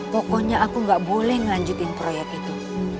pokoknya aku gak boleh ngelanjutin proyek itu